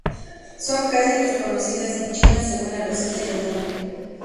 Son casi desconocidas en China, según la receta y el nombre.